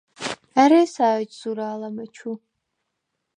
ა̈რი ესა̄ ეჯ ზურა̄ლ ამეჩუ?